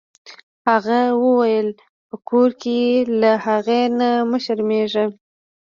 هغه وویل په ورکړه کې یې له اغلې نه مه شرمیږه.